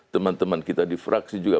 teman teman kita di fraksi juga